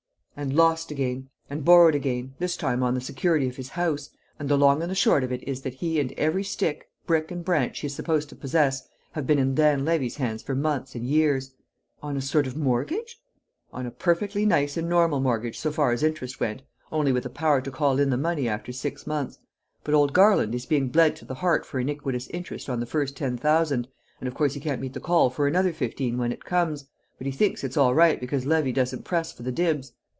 "And lost again, and borrowed again, this time on the security of his house; and the long and short of it is that he and every stick, brick and branch he is supposed to possess have been in Dan Levy's hands for months and years." "On a sort of mortgage?" "On a perfectly nice and normal mortgage so far as interest went, only with a power to call in the money after six months. But old Garland is being bled to the heart for iniquitous interest on the first ten thousand, and of course he can't meet the call for another fifteen when it comes; but he thinks it's all right because Levy doesn't press for the dibs.